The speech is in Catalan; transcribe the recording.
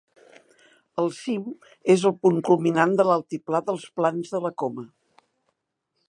El cim és el punt culminant de l'altiplà d'Els Plans de la Coma.